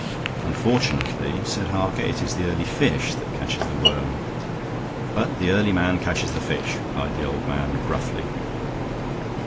"Unfortunately," said Harker, "it is the early fish that catches the worm." "But the early man catches the fish," replied the old man, gruffly.